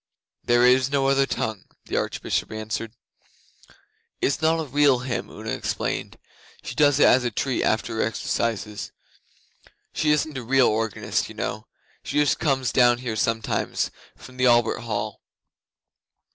'There is no other tongue,' the Archbishop answered. 'It's not a real hymn,' Una explained. 'She does it as a treat after her exercises. She isn't a real organist, you know. She just comes down here sometimes, from the Albert Hall.